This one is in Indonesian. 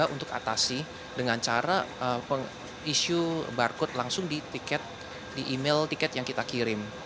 untuk atasi dengan cara isu barcode langsung di email tiket yang kita kirim